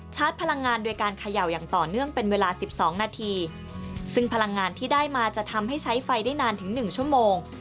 ชาร์จพลังงานด้วยการขย่าวอย่างต่อเนื่องเป็นเวลา๑๒นาทีซึ่งพลังงานที่ได้มาจะทำให้ใช้ไฟได้นานถึง๑ชั่วโมง